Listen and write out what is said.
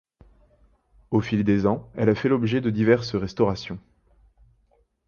Au fil des ans, elle a fait l'objet de diverses restaurations.